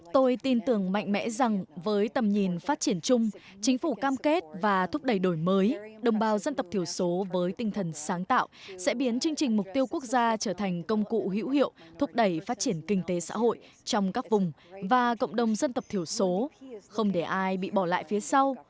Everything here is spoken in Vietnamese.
tôi tin tưởng mạnh mẽ rằng với tầm nhìn phát triển chung chính phủ cam kết và thúc đẩy đổi mới đồng bào dân tộc thiểu số với tinh thần sáng tạo sẽ biến chương trình mục tiêu quốc gia trở thành công cụ hữu hiệu thúc đẩy phát triển kinh tế xã hội trong các vùng và cộng đồng dân tộc thiểu số không để ai bị bỏ lại phía sau